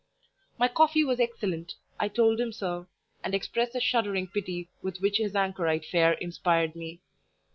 My coffee was excellent; I told him so, and expressed the shuddering pity with which his anchorite fare inspired me.